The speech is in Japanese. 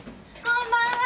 こんばんは！